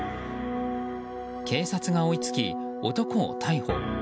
警察が追いつき、男を逮捕。